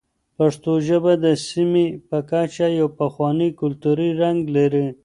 پښتو ژبه د سیمې په کچه یو پخوانی کلتوري رنګ لري.